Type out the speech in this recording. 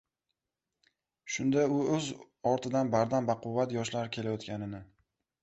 Shunda u o‘z ortidan bardam-baquvvat yoshlar kelayotganini